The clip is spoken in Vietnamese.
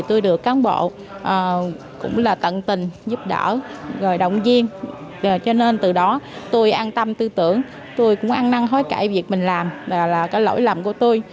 tôi cũng ăn năng hối cãi việc mình làm là cái lỗi lầm của tôi